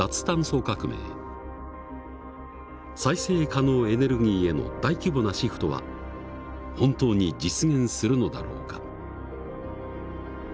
再生可能エネルギーへの大規模なシフトは本当に実現するのだろうか？